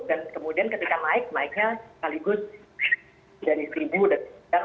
dan kemudian ketika naik naiknya sekaligus dari seribu dan setiga